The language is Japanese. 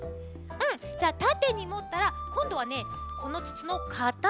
じゃあたてにもったらこんどはねこのつつのかた